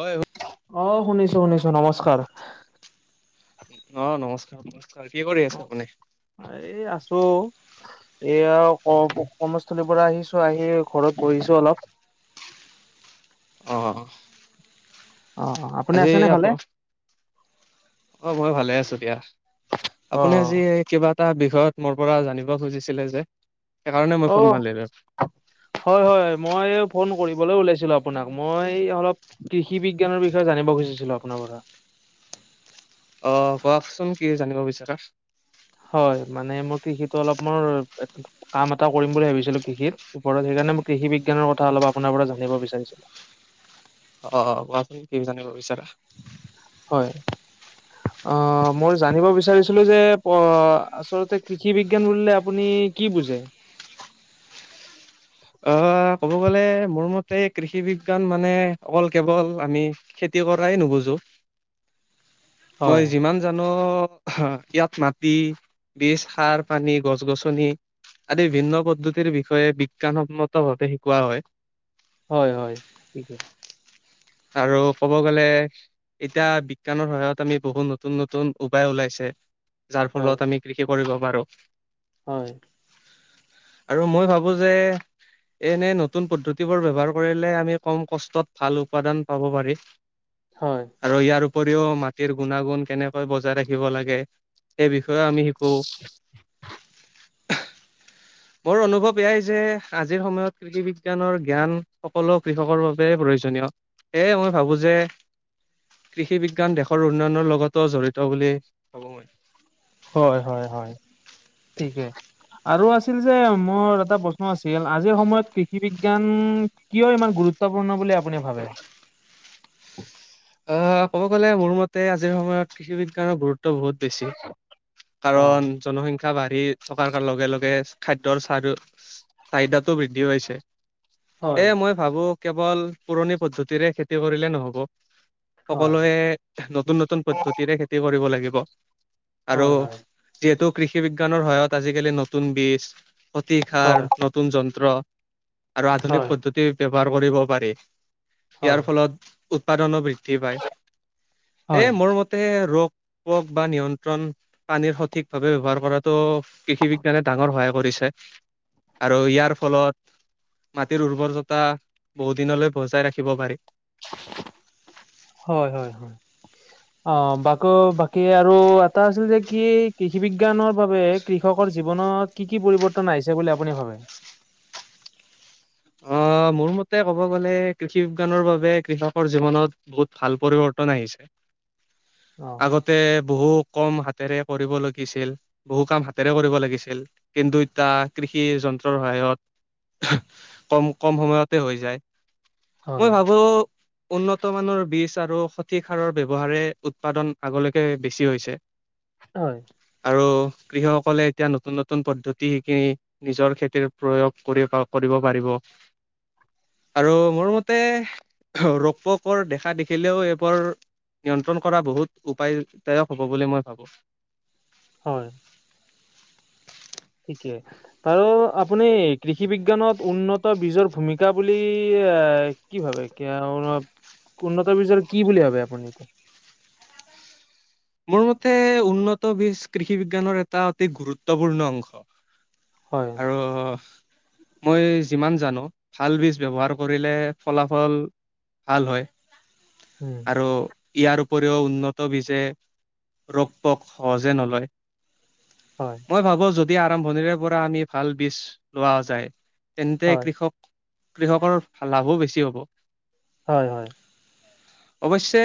হয় হয়। আহ শুনিছো- শুনিছো নমস্কাৰ। অ নমস্কাৰ- নমস্কাৰ। কি কৰি আছে আপুনি এই আছো অ। এয়া ক কৰ্মস্থলীৰ পৰা আহিছো, আহি ঘৰত বহিছো অলপ। অঁ। অ আপুনি আজি আছেনে আপু, ভালে অ মই ভালে আছো দিয়া। অ আপুনি আজি কিবা এটা বিষয়ত মোৰ পৰা জানিব খুজিছিলে যে? সেইকাৰণে মই ফোন অঁ, মাৰিলো হয় হয় মই ফোন কৰিবলৈ ওলাইছিলো আপোনাক। মই অলপ কৃষি বিজ্ঞানৰ বিষ য়ে জানিব খুজিছিলো আপোনাৰ পৰা। অঁ কওকচোন কি জানিব বিচাৰা? হয় মানে মোৰ কৃষিতো অলপ মোৰ কাম এটা কৰিম বুলি ভাবিছিলো কৃষিত ওপৰত সেইকাৰণে মই কৃষি বিজ্ঞানৰ কথা অলপ আপোনাৰ পৰা জানিব বিচাৰিছিলোঁ। অঁ কোৱাচোন কি জানিব বিচাৰা? হয়। অঁ মই জানিব বিচাৰিছিলো যে অ আচলতে কৃষি বিজ্ঞান বুলিলে আপুনি কি বুজে? [inaudible] অ ক'ব গলে মোৰ মতে কৃষি বিজ্ঞান মানে অকল কেৱল আমি খেতি কৰাই নুবুজো। মই হয় যিমান জানো হ, ইয়াত মাটি, বীজ, সাৰ-পানী, গছ-গছনি আদি ভিন্ন পদ্ধতিৰ বিষয়ে বিজ্ঞানসন্মত ভাৱে শিকোৱা হয়। হয় হয় ঠিকে। আৰু ক'ব গলে এতিয়া বিজ্ঞানৰ সহায়ত আমি বহুত নতুন নতুন উপায় ওলাইছে। যাৰ হয় ফলত আমি কৃষি কৰিব পাৰো। হয়। আৰু মই ভাবো যে এনে নতুন পদ্ধতিবোৰ ব্যৱহাৰ কৰিলে আমি কম কষ্টত ভাল উৎপাদন পাব পাৰি। হয় আৰু ইয়াৰ উপৰিও মাটিৰ গুণাগুণ কেনেকৈ বজাই ৰাখিব লাগে সেই বিষ য়ো আমি শিকো। মোৰ অনুভৱ এয়াই যে আজিৰ সময়ত কৃষি বিজ্ঞানৰ জ্ঞান সকলো কৃষকৰ বাবে প্ৰয়োজনীয়। এয়াই মই ভাবো যে কৃষি বিজ্ঞান দেশৰ উন্নয়নৰ লগতো জড়িত বুলি ভাবো মই। হয় হয় হয় ঠিকেই। আৰু আছিল যে মোৰ এটা প্ৰশ্ন আছিল আজিৰ সময়ত কৃষি বিজ্ঞান কিয় ইমান গুৰুত্ব গুৰুত্বপূৰ্ণ বুলি আপুনি ভাবে? অঁ ক'ব গ'লে মোৰ মতে আজিৰ সময়ত কৃষি বিজ্ঞানৰ গুৰুত্ব বহুত বেছি অ কাৰণ জনসং খ্যা বাঢ়ি থকাৰ লগে লগে খাদ্যৰ চাৰ চাহিদাতো বৃদ্ধি হৈছে। এ হয় মই ভাবো কেৱল পুৰণি পদ্ধতিৰে খেতি কৰিলে নহব। হয় সকলোৱে নতুন নতুন পদ্ধতিৰে খেতি কৰিব লাগিব। আৰু হয় হয় যিহেতু কৃষি বিজ্ঞানৰ সহায়ত আজিকালি নতুন বীজ অতি সাৰ, হয় নতুন যন্ত্ৰ আৰু হয় আধুনিক হয় পদ্ধতিৰ ব্যৱহাৰ কৰিব পাৰি। ইয়াৰ হয় ফলত উৎপাদনো বৃদ্ধ বৃদ্ধি পায়। এই হয় মোৰ মতে ৰোগ পোৱগ বা নিয়ন্ত্ৰণ, পানীৰ সঠিক ভাৱে ব্যৱহাৰ কৰাতো কৃষি বিজ্ঞানে ডাঙৰ সহায় কৰি ছে আৰু ইয়াৰ ফলত মাটিৰ উৰ্বৰতা বহু দিনলৈ বজাই ৰাখিব পাৰি। হয় হয় হয়। অঁহ বাক বাকী আৰু এটা আছিল যে কি কৃষি বিজ্ঞান বিজ্ঞানৰ বাবে কৃষকৰ জীৱনত কি কি পৰিৱৰ্তন আহিছে বুলি আপুনি ভাবে? অহ অহ মোৰ মতে ক'ব গ'লে কৃষি বিজ্ঞানৰ বাবে কৃষকৰ জীৱনত বহুত ভাল পৰিৱৰ্তন আহিছে। অ আগতে বহু কম হাতেৰে কৰিব লগিছিল। বহু কাম হাতেৰে কৰিব লাগিছিল কিন্তু এতিয়া কৃষি যন্ত্ৰৰ সহায়ত কম কম সময়তে হৈ যায়। মই হয় ভাবো উন্নত মানৰ বীজ আৰু সঠিক সাৰৰ ব্যৱহাৰে উৎপাদন আগলৈকে বেছি হৈছে। হয়। আৰু কৃষকসকলে এতিয়া নতুন নতুন পদ্ধতি শিকি নিজৰ খেতিৰ প্ৰয়োগ কৰিব কৰি কব পৰিব। আৰু মোৰ মতে ৰপকৰ দেখা দেখিলেও এইবোৰ নিয়ন্ত্ৰণ কৰা বহুত উপায়দায়ক হ'ব বুলি মই ভাবোঁ। হয়। ঠিকে বাৰু আপুনি কৃষি বিজ্ঞানত উন্নত বীজৰ ভূমিকা বুলি আ কি ভাবে? কি উন্নত বীজৰ কি বুলি ভাবে আপুনি‌ কওক? [unintelligible] মোৰ মতে উন্নত বীজ কৃষি বিজ্ঞানৰ এটা অতি গুৰুত্বপূৰ্ণ অংশ। হয় আৰু মই যিমান জানো ভাল বীজ ব্যৱহাৰ কৰিলে ফলাফল ভাল হয় উম আৰু ইয়াৰ উপৰিও উন্নত বিজে ৰক পোক সহজে নলয়। হয় মই ভাবো যদি যদি আৰম্ভণিৰে পৰা আমি ভাল বীজ লোৱা যায়। তেন্তে হয় কৃষক কৃষকৰ লাভো বেছি হ'ব। হয় হয়। অৱশ্যে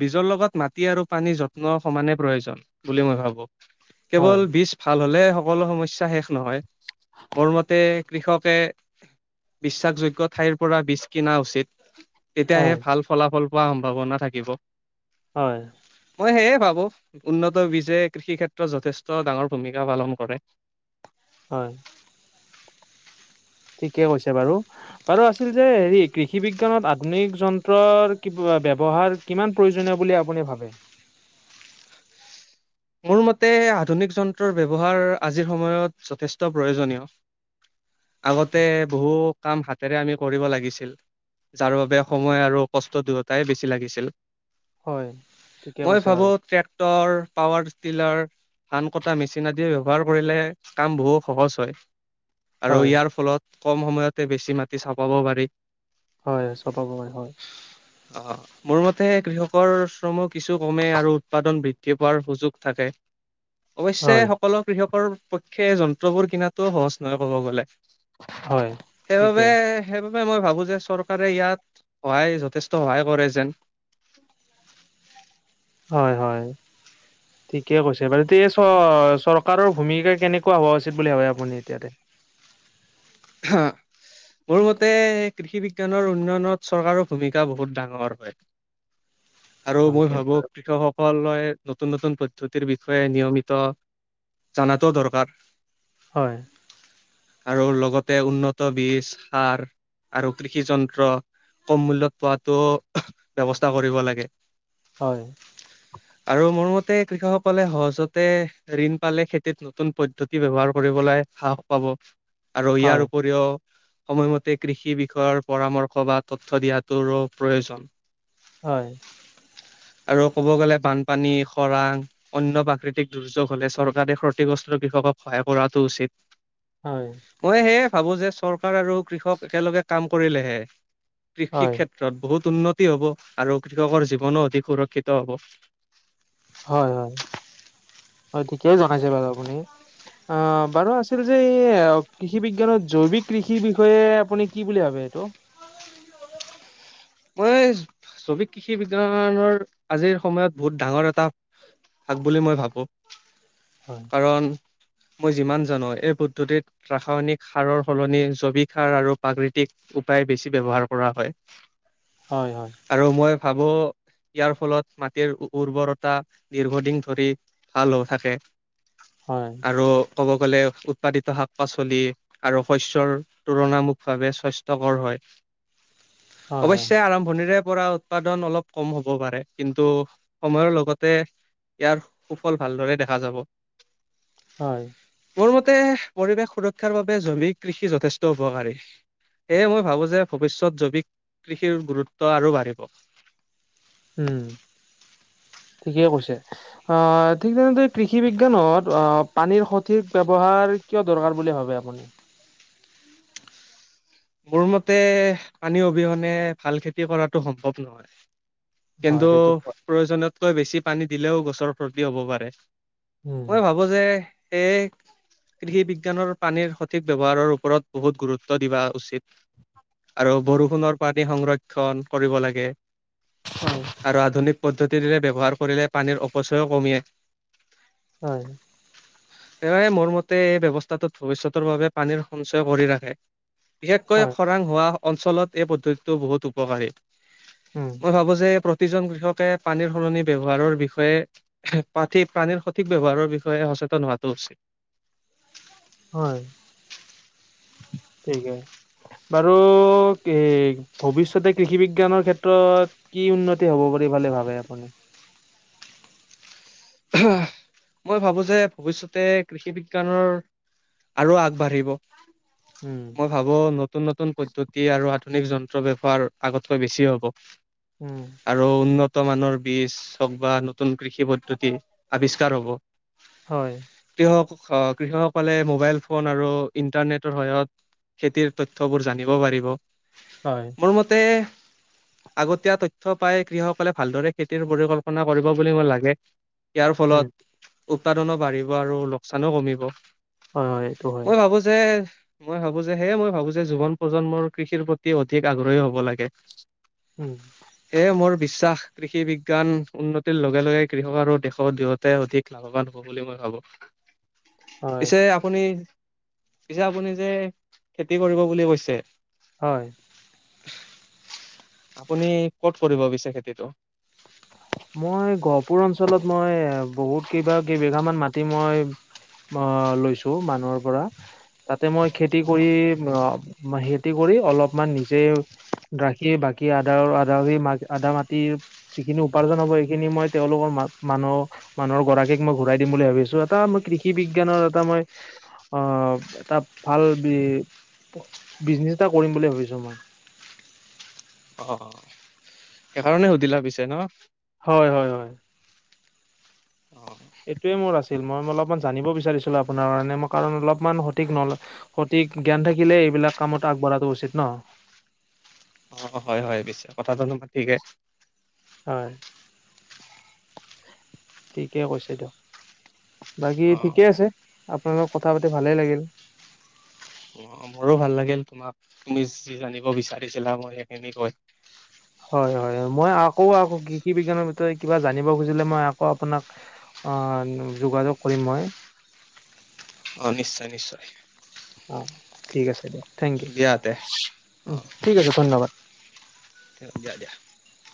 বীজৰ লগত মাটি আৰু পানীৰ যত্নৰ সমানে প্ৰয়োজন বুলি মই ভাবো। কেৱল হয় বীজ ভাল হলে সকলো সমস্যা শেষ নহয়। মোৰ মতে কৃষকে বিশ্বাসযোগ্য ঠাইৰ পৰা বীজ কিনা উচিত। তেতিয়াহে হয় ভাল ফলাফল পোৱাৰ সম্ভাৱনা থাকিব। হয় মই সেয়ে ভাবো। উন্নত বীজে কৃষি ক্ষেত্ৰত যথেষ্ট ডাঙৰ ভূমিকা পালন কৰে। হয়। ঠিকে কৈছে বাৰু। বাৰু আছিল যে হেৰি কৃষি বিজ্ঞানত আধুনিক যন্ত্ৰৰ কিব বা ব্যৱহাৰ কিমান প্ৰয়োজনীয় বুলি আপুনি ভাবে? [unintelligible] মোৰ মতে আধুনিক যন্ত্ৰৰ ব্যৱহাৰ আজিৰ সময়ত যথেষ্ট প্ৰয়োজনীয়। আগতে বহু কাম হাতেৰে আমি কৰিব লাগিছিল। যাৰ বাবে সময় আৰু কষ্ট দুয়োটাই বেছি লাগিছিল। হয় ঠিকে মই কৈছে বাৰু ভাবো ট্ৰেক্টৰ স্তিলাৰ, ধান কটা মেচিন আদি ব্যৱহাৰ কৰিলে কাম বহু সহজ হয়। আৰু হয় ইয়াৰ ফলত কম সময়তে বেছি মাটি চাপাব পাৰি। হয় চপাব পাৰি হয় অহ মোৰ মতে কৃষকৰ শ্ৰমো কিছু কমে আৰু উৎপাদন বৃদ্ধি হোৱাৰ সুযোগ থাকে। অৱশ্যে সকলো কৃষক কৃষৰ পক্ষে যন্ত্ৰবোৰ কিনাতোও সহজ নহয় কব গ'লে। হয় ঠিকে সেইবাবে সেইবাবে সেই বিষয়ে মই ভাবো যে, চৰকাৰে ইয়াত সহায় যথেষ্ট সহায় কৰে যেন। [unintelligible] হয় হয়। ঠিকে কৈছে বাৰু। এতেয়া চ চৰকাৰৰ ভূমিকা কেনেকুৱা হোৱা উচিত বুলি ভাবে আপুনি এতিয়াতে? হা মোৰ মতে কৃষি বিজ্ঞানৰ উন্নয়নত চৰকাৰৰ ভূমিকা বহুত ডাঙৰ হয়। আৰু হয় মই ভাবো কেনেকুৱা কৃষকসকলে নতুন নতুন পদ্ধতিৰ বিষয়ে নিয়মিত জনাটো দৰকাৰ। হয়। আৰু লগতে উন্নত বীজ, সাৰ আৰু কৃষি যন্ত্ৰ কম মূল্যত পোৱাতো ব্যৱস্থা কৰিব লাগে। হয়। আৰু মোৰ মতে কৃষকসকলে সহজতে ঋণ পালে খেতিত নতুন পদ্ধতি ব্যৱহাৰ কৰি কৰিবলৈ সাহস পাব আৰু হয় ইয়াৰ উপৰিও সময়মতে কৃষি বিষয়ৰ পৰামৰ্শ বা তথ্য দিয়াটোৰো প্ৰয়োজন। হয়। [inaudible] [unintelligible] আৰু ক'ব গ'লে বানপানী, খৰাং, অন্য প্ৰাকৃতিক দুৰ্যোগ হলে চৰকাৰে ক্ষতিগ্ৰস্ত কৃষক কৃষক সহায় কৰাটো উচিত। হয় মই সেয়ে ভাবো যে চৰকাৰ আৰু কৃষক একেলগে কাম কৰিলেহে কৃষি হয় ক্ষেত্ৰত বহুত উন্নত বৃদ্ধি হ'ব আৰু কৃষকৰ জীৱনো অধিক সুৰক্ষিত হ'ব। হয় হয়, হয় ঠিকেই জনাইছে বাৰু আপুনি। অঁহ বাৰু আছিল যে এই কৃষি বিজ্ঞানৰ জৈৱিক কৃষিৰ বিষয়ে আপুনি কি বুলি ভাবে এইটো? [unintelligible] মই জৈৱিক কৃষি বিজ্ঞানৰ আজিৰ সময়ত বহুত ডাঙৰ এটা ভাগ বুলি মই ভাবো, হয় কাৰণ মই যিমান জানো এই পদ্ধতিত ৰাসায়নিক সাৰৰ সলনি জৈৱিক সাৰ আৰু প্ৰাকৃতিক উপায় বেছি ব্যৱহাৰ কৰা হয়। হয় হয়। চাব' ইয়াৰ ফলত মাটিৰ উৰ্বৰতা দীৰ্ঘদিন ধৰি ভাল হৈ থাকে। হয় আৰু ক'ব গ'লে উৎপাদিত শাক পাচলি আৰু শস্যৰ তুলনামুলক ভাৱে স্বাস্থ্যকৰ হয়। [inaudible] হয় হয় অৱশ্যে আৰম্ভণিৰে পৰা উৎপাদন অলপ কম হ'ব পাৰে, কিন্তু সময়ৰ লগতে ইয়াৰ সুফল ভালদৰে দেখা যাব। হয় মোৰ মতে পৰিৱেশ সুৰক্ষাৰ বাবে জৈৱিক কৃষি যথেষ্ট উপকাৰী। সেয়ে মই ভাবোঁ যে ভৱিষ্যত জৈৱিক কৃষিৰ গুৰুত্ব আৰু বাঢ়িব। উম। [inaudible] ঠিকেই কৈছে। আহ ঠিক তেনেদৰে কৃষি বিজ্ঞানত অ পানীৰ সঠিক ব্যৱহাৰ কিয় দৰকাৰ বুলি ভাবে আপুনি? মোৰ মতে পানী অবিহনে ভাল খেতি কৰাটো সম্ভৱ নহয়। হয় কিন্তু সেইটোত প্ৰয়োজনতকৈ বেছি পানী দিলেও গছৰ ক্ষতি হ'ব পাৰে। উম মই ভাবো যে সেয়েহে কৃষি বিজ্ঞানৰ পানীৰ সঠিক ব্যৱহাৰৰ ওপৰত বহুত গুৰুত্ব দিবা উচি ত আৰু বৰষুণৰ পানী সংৰক্ষণ কৰিব লাগে, হয় আৰু আধুনিক পদ্ধতিৰে ব্যৱহাৰ কৰিলে পানীৰ অপচয়ো কমে। হয়। সেইবাবে মোৰ মতে এই ব্যৱস্থাটোত ভৱিষ্যতৰ বাবে পানীৰ সঞ্চয় কৰি ৰাখে। বিশেষকৈ হয় খৰাং হোৱা অঞ্চলত এই পদ্ধতিটো বহুত উপকাৰী। মই ভাবো যে প্ৰতিজন কৃষকে পানীৰ সলনি ব্যৱহাৰৰ বিষয়ে পাঠি - পানীৰ সঠিক ব্যৱহাৰৰ বিষয়ে সচেতন হোৱা তছে হয়। ঠিক বাৰু এ ভৱিষ্যতে কৃষি বিজ্ঞানৰ ক্ষেত্ৰত কি উন্নতি হ'ব পাৰি ভাল লে ভাবে আপুনি? মই ভাবো যে ভৱিষ্যতে কৃষি বিজ্ঞানৰ আৰু আগবাঢ়িব উম, মই ভাবো নতুন নতুন পদ্ধতি আৰু আ ধুনিক যন্ত্ৰ ব্যৱহাৰ আগতকৈ বেছি হ'ব উম, আৰু উন্নত বৰ্তমানৰ বীজ হওক বা নতুন কৃষি পদ্ধতি আৱিষ্কাৰ হ'ব। হয়। কৃষক অ কৃষকসকলে মোবাইল ফোন আৰু ইন্টাৰনেটৰ সহায়ত খেতিৰ তথ্যবোৰ জানিব পাৰিব। হয়, মোৰ মতে আগতীয়া তথ্য পাই কৃষকসকলে ভালদৰে খেতিৰ পৰিকল্পনা কৰিব বুলি মোৰ লাগে ইয়াৰ উম, ফলত উৎপাদনো বাঢ়িব আৰু লোকচানো কমিব। হয়, হয়, এইটো হয়। মই ভাবো যে মই ভাবো যে সেয়ে মই ভাবো যে জীৱন প্ৰজন্মৰ কৃষিৰ প্ৰতি অধিক আগ্ৰহী হব লাগে। উম, এয়ে মোৰ বিশ্বাস কৃষি বিজ্ঞান উন্নতিৰ লগে লগে কৃষক আৰু দেশ [unintelligible] অধিক লাভৱান হব বুলি মই ভাবো। হয়, পিছে আপুনি পিছে আপুনি যে খেতি কৰিব বুলি কৈছে হয়। আপুনি কত কৰিব পিছে খেতিটো? মই গহপুৰ অঞ্চলত মই বহুত কেইবা - কেই বিঘা মান মাটি মই আ লৈছো মানুহৰ পৰা তাতে মই খেতি কৰি অ', অ [unintelligible] খেতি কৰি অলপমান নিজে ৰাখি বাকী আদা - আদা - আদা মাটি যিখিনি উপাৰ্জন হ'ব এইখিনি মই তেওঁলোকৰ মা - মানুহ - মানুহৰ গৰাকীক মই ঘূৰাই দিম বুলি ভাবিছো, এটা মই কৃষি বি জ্ঞানৰ এটা মই আহ এটা ভাল বি বিজনেছ এটা কৰিম বুলি ভাবিছো মই। অ সেইকাৰণে সুধিলা পিছে ন? হয় হয় হয়। অ', এইটোৱে মোৰ আছে। ছিল‌ মই অলপমান জানিব বিচাৰিছিলো আপোনাৰ কাৰণে মই কাৰণ অলপমান সঠিক নল সঠিক জ্ঞান থাকিলে এইবিলাক কামত আগবঢ়াটো উচিত ন? অ' হয় হয় পিছে কথাটো তোমাৰ ঠিকে। হয়, ঠিকে কৈছে দিয়ক। বাকী অ'। ঠিকে আছে আপোনাৰ লগৰ কথা পাতি ভালে লাগিল। অ' মোৰো ভাল লাগিল তোমাক তুমি যি জানিব বিচাৰিছিলা মই সেইখিনি কৈ হয় হয় হয়, মই আকৌ আকৌ কৃষি বিজ্ঞানৰ ভিতয় কিবা জানিব খুজিলে মই আকৌ আপোনাক অ যোগাযোগ কৰিম মই। অ' নিশ্চয় নিশ্চয়। অ' ঠিক আছে দিয় থেংক ইউ, দিয়া তে অ ঠিক আছে ধন্যবাদ। [unintelligible]